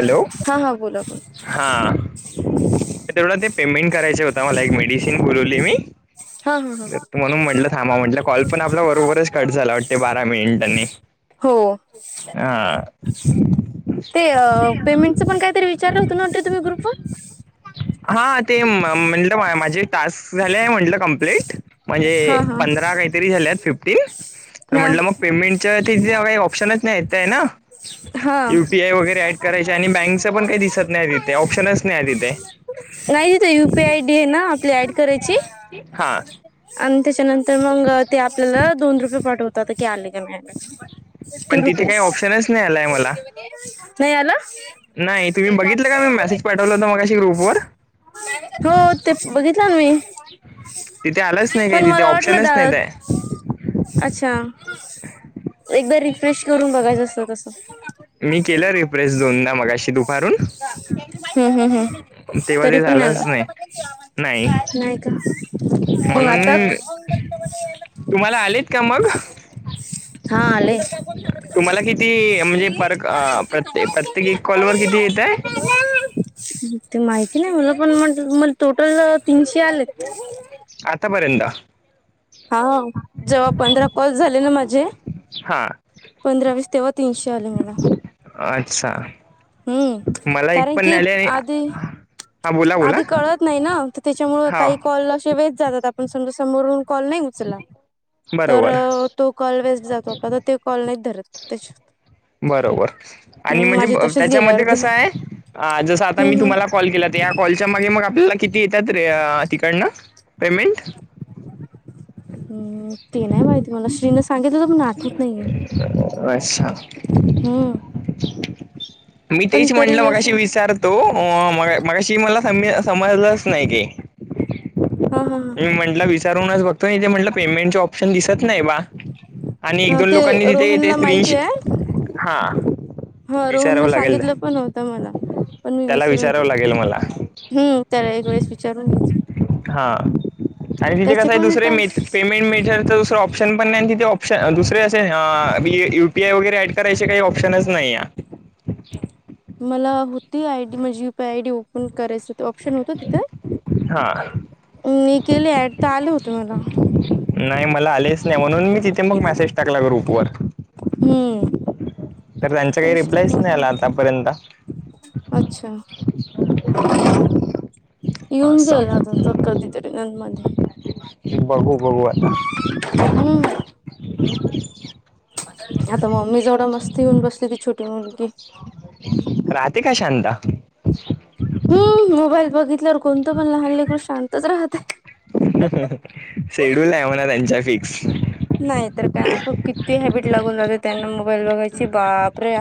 Hello! हा हा बोला बोला हा.. तेवढं ते पेमेंट करायचे होत मला एक मेडिसिन बोलवली मी हा हम म्हणून म्हटलं थांबा म्हटलं कॉल पण आपल्या बरोबरच कट झाला वाटते बारा मिनिटांनी हो ह ते पेमेंटचं पण कायतरी विचारलं होतं न्ह तुम्ही ग्रुप वर हा ते म्हंटलं माझे टास्क झाले आहे म्हंटलं कम्प्लीट म्हणजे हा हा पंधरा काहीतरी झाल्यात फिफ्टीन तर म्हटलं मग पेमेंटच्या तिथे काही ऑप्शनच नाही ते आहे ना हा.. बँकच पण काही दिसत नाही तिथे ऑप्शनच नाही तिथे. नाही तथ यूपीआय आय डी आहे ना आपली ऍड करायची हा आणि त्याच्यानंतर तर मग ते आपल्याला दोन रुपये पाठवतात की आले का म्हणून टू पण तिथे काही रुपीज ऑप्शनच नाही आलाय मला नाही आला.. नाही तुम्ही बघितलं का मी मेसेज पाठवला होता मगाशी ग्रुपवर हो... ते बघितलं मी तिथे आलंच नाही रे पण तिथे मला वाटलं ऑप्शनच दा नाही. अच्छा! एकदार रिफ्रेश करून बघायच असं तसं मी केलं रिप्रेस दोनदा मगाशी दुपारून हम् हम् हम्. तेव्हा तरी ते पण झालंच आला, नाही नाही का? हो आता म्हणून ब तुम्हाला आलेत, का मग. हा आले. तुम्हाला किती म्हणजे, पर प्रत्ये- प्रत्येक एक कॉल वर किती येतंय. ते माहिती नाही मला, पण म्हटलं मला टोटल तीनशे आलेत. आतापर्यंत. हा.. हां.. जेव्हा पंधरा कॉल्स झाले ना माझे. हा. पंधरा वीस तेव्हा तीनशे आले मला. अच्छा, हम्म मला एक कारण पण की नाय आले. आणि, आधी हा, बोला बोला. आधी कळत नाही ना, तर तेच्यामुळ हो काही कॉल असे वेेस्ट जातात. आपण समजा समोरून कॉल नाही उचला. तर बरोबर तो कॉल वेस्ट जातो आपला तर ते कॉल नाही धरत त्याच्यात बरोबर आणि हम्म म्हणजे माझे तसेच गेले त्याच्यामध्ये अर्धे कसं आहे, जसं आता मी हम्म तुम्हाला कॉल केला. या कॉलच्या मागे मग आपल्याला किती येतात रे तिकडनं पेमेंट. अ.. ते नाही माहिती मला श्री ने सां गितला पण आठवत नाहीये, अच्छा हम्. मी तेच म्हटलं मगाशी असं विचारतो. म- मगाशी मला समजलंच नाही ते, हा.. हा.. हा.. मी म्हटलं विचारून चं बघतो, येथे म्हटलं पेंमेटच शन दिसत नाही बा, आणि एक हा दोन ते लोकांनी तिथे रोहनला स्क्रिन माहिती शेअर. हां. हं.. रोहन न सांगितलं पण होतं मला, पण मी त्याला विसरून विचारावं गेले. लागेल मला हम्. त्याला एक वेळेस विचारून घ्यायचं. हां, आणि तिथे कसं आहे. पण दुसरे मेधेड टास्क पेमेंट मेधेडच, दुसरं ऑप्शन पण नाही तिथे आॅप्श प्शन दुसरे असे, यू पी आय वगैरे ॲड करायचे काही ऑप्शनच नाही ये. मला होती, आय डी मज U P I D open करायचं. ऑप्शन होत तिथे, हां मी केले ऍड तर आलं होत मला. नाही मला आलेच नाही, म्हणून मी तिथे मग मेसेज टाकला ग्रुपवर. हम्म. तर त्यांचा काही तेच तर रिप्लायच नाही, म्हटलं आला आतापर्यंत. अच्छा, येऊन असं जाईल आता तो. कधीतरी न मध्ये. बघू बघू आता, हम्म. आता मम्मी जवळं मस्त येऊन बसली. ती छोटी मुलगी. राहते का शांता. हम्. मोबाईल बघितल्यावर कोणतं पण लहान लेकरू शांतच राहतं. शेड्यूल आहे म्हणा, त्यांच फिक्स. नाही तर काय, आपण किती हॅबिट लागून जाते. त्यांना मोबाईल बघायची बापरे.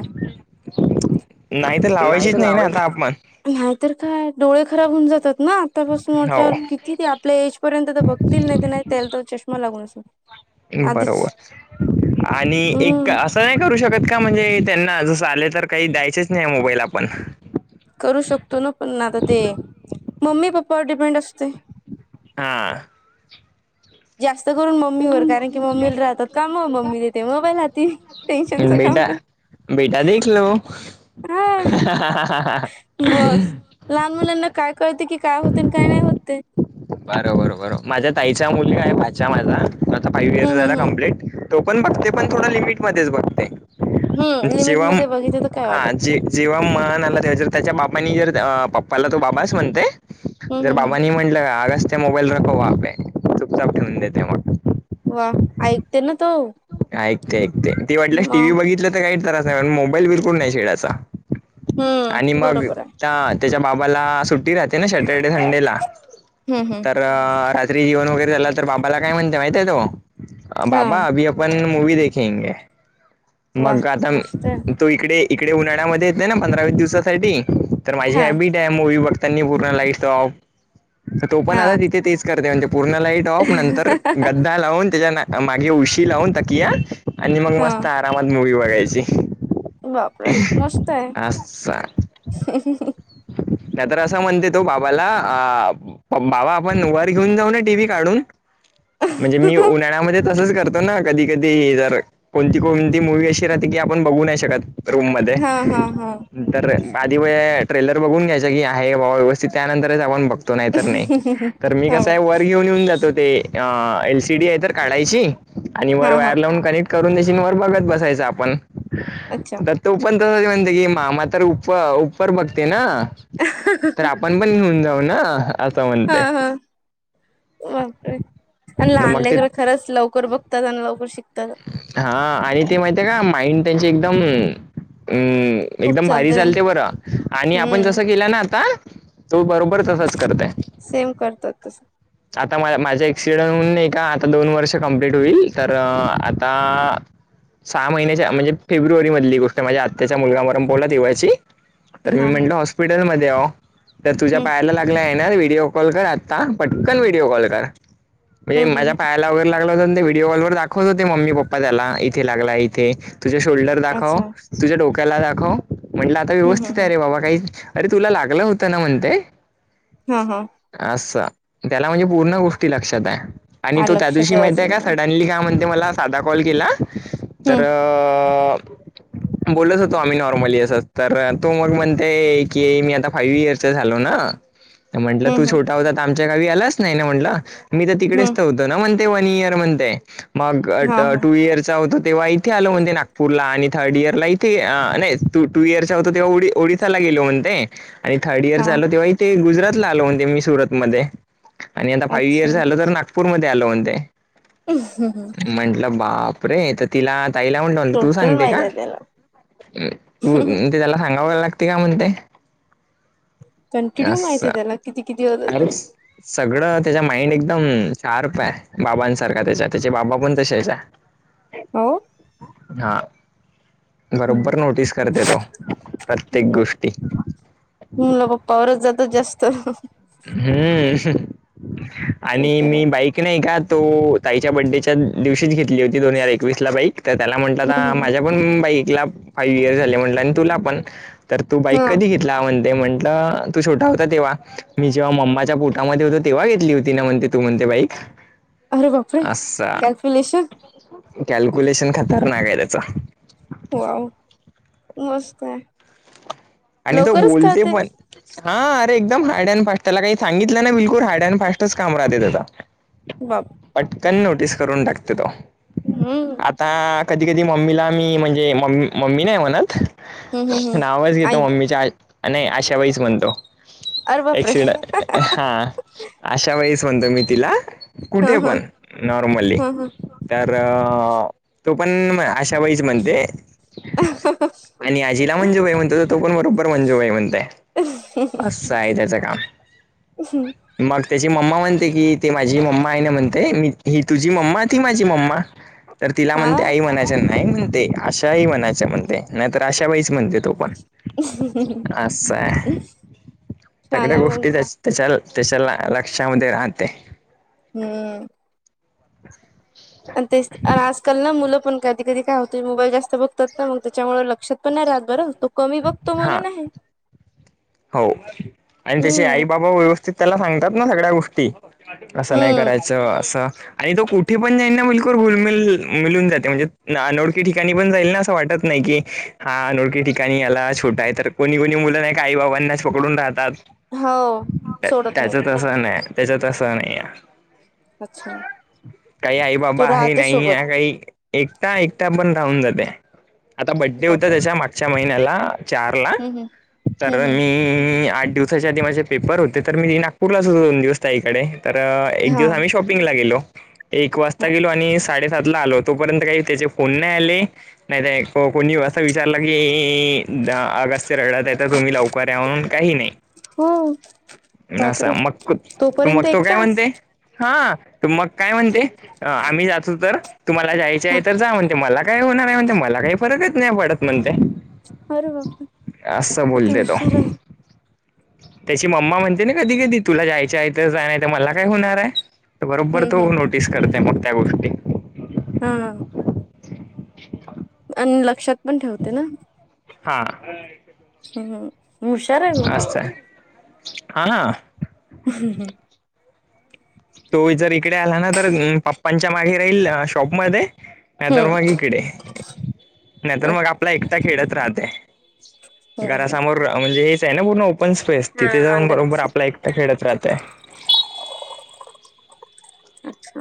नाही तर लावायचीच नाही ना, आता आपण. नाहीतर काय, डोळे खराब होऊन जातात ना, आतापासून म्हटल्यावर हो कि तिथे आपल्या एजपर्यंत तर बघतील, नाही तर ते त्याला तर चष्मा लागून असं. बरोबर आणि एक हम्म आसा. तय करू शकत का म्हणजे, त्यांना जसं आले तर काही द्यायचेच नाही मोबाईल आपण. करू शकतो ना पण आता ते, मम्मी पप्पावर डिपेंड असतय. आ.. जास्त करून मम्मीवर कारण की, मम्मीला राहतात काम मम्मी देते मोबाईल हाती, टेन्शनच काम बेटा नाही. बेटा देखल हा ह ह बस ह लहान मुलांना काय कळते की काय होते काय नाही होते. बर बर बर माझ्या ताईच्या मुली आहे भाच्या माझा आता फाईव्ह इयर्स हम्म हम्म झाला हम्म कमप्लीट तो पण बघते पण थोडा लिमिटमध्येध्येच बघते. हम जेव्हा लिमिटमध्येध्ये बघितलं तर काय हा वाटत जे नाही. जेव्हा मनला तेर त्याच्या बाबांनी जर पप्पाला तो बाबाच म्हणते हम्म जर हम्म हम्म बाबाांनी म्हटलं आगच ते मोबाईल रखववा आपे चुपचाप ठेवून देते मग वा ऐकते ना तो ऐक ऐकते ती वाटलंस टी व्ही म बघितलं तर काही त्रास नाही पण मोबाईल बिरकुून नाही शेडाचा आणि हम्म मग बरोबर आहे. त्या त्याच्या बाबाला सुट्टी राहते. सॅटर्डे संडेला हम्म हम्म तर रात्री जेवन वगैरे झाला तर बाबाला काय म्हणते माहितय तो हा बाबा अ आपण मूवी देखेंगे वा मग आता मस्त आहे. तो इकडे इकडे उन्हाळ्यामध्ये येत ना पंधरावीस दिवसासाठी तर माझी हा हॅबिट आहे मूवी बघतानी. पूर्ण लाईट ऑफ तो, पण आता हा तिथे तेच करते म्हणजे पूर्ण लाईट. टॉप नंतर गद्दा लावून, त्याच्या मागे उशी लावून तकिया. आणि मग हा मस्त आरामात मूवी बघायची बापरे अस. ह त्या तर असं म्हणते तो बाबाला बाबा आपण वर घेऊन जाऊ ना टी व्ही काढून म्हणजे मी उन्हाळ्यामध्येच तसच करतो ना कधी कधी जर कोणती कोणती मूवी् अशी राहते की आपण बघू नाही शकत. रूम मध्ये हा हा हा न तरर आधी वया ट्रेलर बघून घ्यायचा की आहे बाबा व्यवस्थित त्यानंतरच आपण बघ. नाही तर नाही तर मी हो कसं आहे वर घेऊन येऊन जातो. ते एलसीडी आहे तर काढायची आणि वर हा हा वायर लावून कनेक्ट करून देशवर बघत बसायच आपण अच्छा तो पण तस म्हणते की मामा तर उ उपर बघते ना तर पणपण नेऊन जाऊ ना असं हा म्हणते. हा बापरे आणि लहान मग ते लकर खरंच लवकर बघतात आणि लवकर शिकतात. हा आणि ते माहिती आहे का माइंड त्यांची एकदम अम खूप एकदम भारी चालतंय चालते बरं आणि आपण हम्म जसं केलं ना आता तू बरोबर तसच करतेय. सेम करतोात तसं. माझा एक्सिडेंट ला आता दोन वर्ष कमप्लीट होईल. फेब्रुवारी मधली गोष्ट म्हणजे आत्याचा मुलगा मरण पावला तेव्हाची हा हा विंडो हॉस्पिटलमध्ये तुझ्या हम्म पायाला लागलं आहे ना व्हिडिओ कॉल कर. पटकन व्हिडिओ कॉल करा. हम्म हम्म हम्म नवीनलागला होता म्मी पप्पा त्याला दाखवत होते व्हिडिओ कॉल वर तुझ्या अच्छा हम्म डोक्याला लागलं का दाखव म्हटलं आता हम्म व्यवस्थित आहे हम्म रे बाबा. अरे तुला लागलं होतं ना म्हणतेय. हा हा असं त्याला म्हणजे पूर्ण गोष्टी लक्षात आहे आणि हा तो त्या लक्षात दिवशी माहिती आहे अजून का? पण दडली काा म्हण मला साधा कॉल केला तर हम्म बोलत होतो आम्ही नॉर्मली असत तर तो मग म्हणते की मी आता फाईव्ह इयरसचा झालो ना म्हंटलं तू हम्म हम्म छोटा होता तर आमच्या गावी आलाच नाही ना म्हटलं मी तर तिकडेच हम्म होत. म्हण वन इयर म्हणत मग हा हा टू इयरचा होतो तेव्हा इथे आलो म्हणते नागपूरला आणि थर्ड इयरला इथे नाहीू टू इयर च्या होत तेव्हा ओ ओडिसाला गेलो म्हणते. आणि थर्ड इयर हा चालो तेव्हाही ते गुजरातला आलो होते मी सुरत मध्ये आणि आता फाइव्ह इयर्स अच्छा झालं तर नागपूरमध्येध्ये आलं म्हण ते ह हम ह म्हटलं बाप रे तर तिला ताईला म्हण म्ह तू टोटल सांगते माहित का? आहे त्याला त्याला सांगावयला लागते का म्हण ते कंटिन्यू माहित आहे त्याला किती किती होत ते असंच त्याच् माइंड एकदम शार्प आहे त्याच्या बाबांसारख हो हा बरोबर नोटीस करते प्रत्येक गोष्टी मुलं पप्पावरच जातात जास्त हम्म ते आणि तर मी बाईक ताईच्या बड्डेच्या दिवशीच घेतली होती. दोन हजार एकवीस ला बाईक बाईकला फाव्ह इयर् म्हट तुला पण तर तू बाईक हा कधी घेत. म्ह म्हणते म्हंटलं. तू छोटा होता. तेव्हा. मी जेव्हा मम्माच्या पोटामध्ये होतो. तेव्हा घेतली होती ना. म्हणते तू म्हणते बाईक अरे बापरे असा. कॅल्क्युलेशन कॅल्क्युलेशन खतरनाकय त्याचा. हो. मस्त. आणि तो लवकरच बोलते. कळते हा अरे एकदम हार्ड अँड फास्ट त्याला काही सांगितलं ना. बिलकुल हार्ड अँड फास्टच काम राहत. आता. ह. पटकन नोटीस करून टाकते. हम्म कधी कधी मम्मीला मी मम्मी हम्म हम्म च हम्म नावच घेत. आई मी अशावेळीच म्हणतो. अरे बापरे हा. अशा वेळीस म्हणतो. मी तिला हा कुठे हा पण नॉर्मली. हा हा तर. तो. पण अशा वेळच म्हणते. आणि आजीला म्. हणजे बाई म्हणतो. तो बरोबर मंजूई म्हणतय. हा असं. आहे त्. याच काम मग त्याची मम्मा म्हणते. की ते माझी मम्मा आहे. ना म्हणते. मी ही तुझी मम्मा ती माझी मम्मा [unintelligible] आई म्हणायच नाही म्हणते. अशाही म्हणायच म्हणते नाही तर अशा बाईच म्हणते. तो पण असं आहे. छान तगडया आहे मग गोष्टी त्या तर त्याच्या लक्षामध्ये राहते. हम्म आजकाल ना. मुलं पण मोबाईल जास्त बघतात. ना मग त्याच्यामुळे लक्षात. प रा बरं तो कमी बकतो हा म्हणून आहे हो आणि त्याचे हम्म आई बाबा व्यवस्थित त्याला सांगतात ना सगळ्या गोष्टी असं नाही हम्म करायचं असं. आणि तो कुठे पण जाईल ना बिलकुल गुलमल मिळून जाते म्हणजे अनोळखी ठिकाणी पण जाईल ना असं वाटत नाही की हा अनोळखी ठिकाणी याला छोटा आहे तर कोणी कोणी मुलं नाही आई बाब अन्यास पकडून राहतात. हो सोडत नाही त्याच त असं नाहीत्. याच्यात असं. नाही अच्छा काही आई बाबा तो आहे. राहते नाही. सोबत एकटा. एकटा पण राहून जाते. आता बड्डे होता. बापरे त्याच्या मागच्या महिन्. याला. चार ला हम्म हम्म तर. हम्म हम्म ह आठ दिवसाच्या आधी माझे पेपर होते. तर मी. नागपूरला सुद्धा दोन दिवस ता इकडे. तर एक हा दिवस आम्ही शॉपिंगला गेलो. एक हा वाजता गेलो. आणि साडे आल तोपर्यंत काही त्याचे फोन नाही. आले. नाही. नाही को कोणी असं विचारलं. की अगस्च्या रेड तुम्ही. लवकर याकाही नाही. हो बापरे तोपर्यंत मग एक तू काय तास म्हणते. हा मग काय म्हणते. आम्ही जातो. तर तुम्हाला जायचे. हा आहे. तर जा म्हणते. मला काही होणार नाही म्हणते. मला काही फरकच नाही पडत म्हणते. अरे. असं बापरेकिती उशआर [unintelligible] त्याची मम्मा म्हणते ना कधी कधी तुला जायच्या हाय त जाय नाय त मला काय होणार ये. तो बरोबर हम्म तो हम्म हम्म. नोटीस करतय मग त्या गोष्टी हा [unintelligible] अनं लक्षात पण ठेवते ना हा हम्म हम्म. हुशार आहे मग अस -हाय -हा ना [unintelligible] तो जर इकडे आला ना तर पप्पांच्या मागे राहील शॉपमध्ये नाय तर हम्म. मग इकडे नाय तर मग अच्छा आपला एकटा खेळत राहतय. हम्म हम्म. घरासमोर म्हणजे हेच आहे ना पूर्ण ओपन स्पेस तिथे हा जाऊन अंगण बरोबर असं. आपला एक ते खेडत राहतय. अच्छा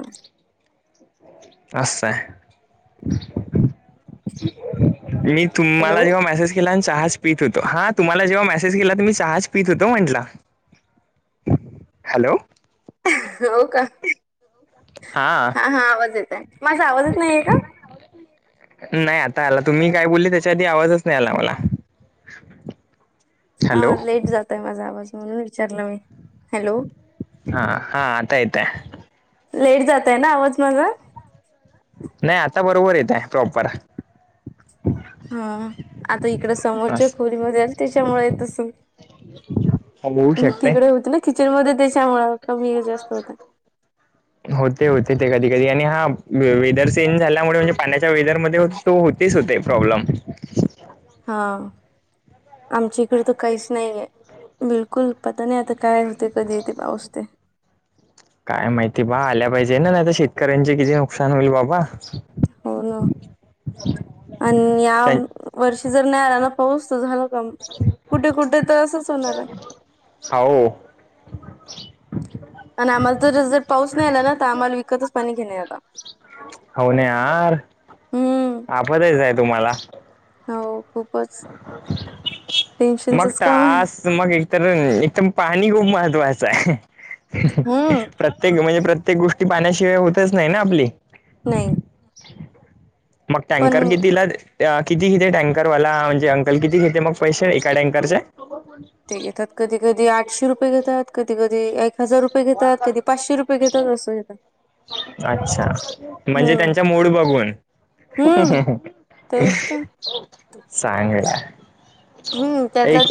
असय ये हॅलो तुमाला जेव्हा मेसेज केला नं चहा पीत होतो हा तुम्हाला जेव्हा मेसेज केला त मी चहाच पीत होतो म्हंटला हॅलो हो का हा हा आवाज येत हाय. [unintelligible] आवाजच नाय येत. नाय आता आला तुम्ही काय बोलले त्याच्या आधी आवाजच नाय आला मला. हा हॅलो लेट जातोय माझा आवाज म्हणून विचारलं मी हॅलो हा हा आता येतय. लेट जातय ना आवाज माझा नाय आता बरोबर येतय प्रॉपर हा आता इकड समोरच्या अस खोलीमध्ये आली त्याच्यामुळ येत असल. होऊ मी शकते तिकड होती ना किचन मध्ये त्यांच्यामुळ [unintelligible] होतय होतय ते कधी कधी आणि हा वेदर चेंज झाल्यामुळे म्हणजे पाण्याच्या वेदरमध्ये हो तो होतेच होते प्रॉब्लेम हा आमच्या इकडे त काहीच नाहीये. बिलकुल पता नाय आता काय होतय कधी येतय पाऊस ते काय माहिती बा आल्या पाहिजे ना नायत शेतकऱ्यांचे किती नुकसान होईल बाबा हो ना आनं या वर्षी जर नाय आला ना पाऊस त झालं कमं कुठे कुठे त असंच होणार ये. हावं आणि आम्हाला त जस जर पाऊस नाय आला ना त आम्हाला विकतच पाणी घेण हाय आता. हाव ने आर हम्म आपतेच हाय तुम्हाला हो खूपच मग टेन्शनचच काम आहे. तास मग एकतर एक त मग पाणी खूप महत्वाचाय. हम्म. प्रत्येक म्हणजे प्रत्येक गोष्टी पाण्याशिवाय होतच नाही ना आपली. नाई. मग टँकर कितीला? किती घेते टँकरवाला म्हणजे अंकल किती घेते मग पैसे एका टँकर चे ते घेतात कधी कधी आठशे रुपये घेतात कधी कधी एक हजार रुपये घेतात. कधी पाचशे रुपये घेतात असं घेतात. अच्छा म्हणजे हम्म. त्यांच्या मूड बघून हम्म सांग तेच तर. सांग हूं त्यातला